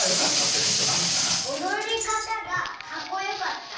おどりかたがかっこよかった。